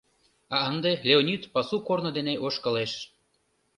А ынде Леонид пасу корно дене ошкылеш.